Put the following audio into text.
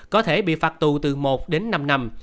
có thể bị phạt tù từ một đến năm năm